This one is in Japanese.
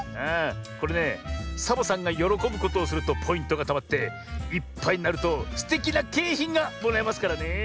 これねサボさんがよろこぶことをするとポイントがたまっていっぱいになるとすてきなけいひんがもらえますからねえ。